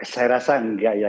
saya rasa enggak ya